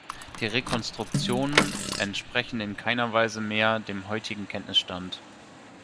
Die Rekonstruktionen entsprechen in keiner Weise mehr dem heutigen Kenntnisstand.